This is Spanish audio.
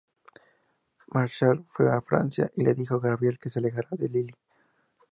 Marshall fue a Francia, y le dijo Gabriel que se alejara de Lily.